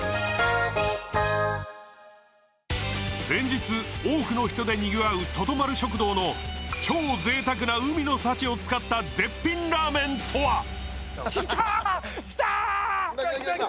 連日多くの人でにぎわうとと丸食堂の超ぜいたくな海の幸を使った絶品ラーメンとは？